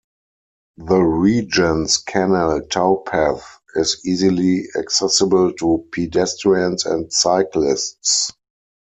The Regents Canal towpath is easily accessible to pedestrians and cyclists.